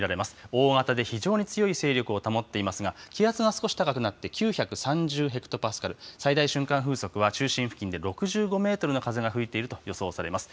大型で非常に強い勢力を保っていますが、気圧が少し高くなって、９３０ヘクトパスカル、最大瞬間風速は中心付近で６５メートルの風が吹いていると予想されます。